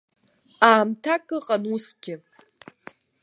Аамҭак ыҟан усгьы.